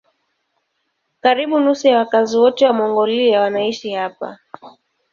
Karibu nusu ya wakazi wote wa Mongolia wanaishi hapa.